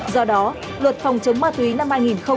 do đó luật phòng chống ma túy năm hai nghìn hai mươi một